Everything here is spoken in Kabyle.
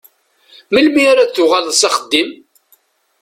Melmi ara d-tuɣaleḍ s axeddim?